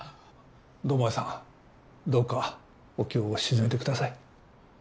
堂前さんどうかお気を静めてください